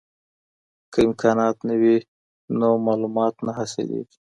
که امکانات نه وي نو معلومات نه حاصلیږي.